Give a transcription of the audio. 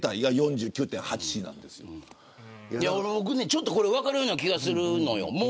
ちょっと分かるような気がするのよ。